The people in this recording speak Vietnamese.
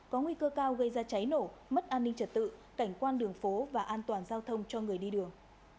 có nguy cơ cao gây ra cháy nổ mất an ninh trật tự cảnh quan đường phố và an toàn giao thông cho người đi đường